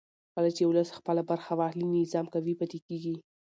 کله چې ولس خپله برخه واخلي نظام قوي پاتې کېږي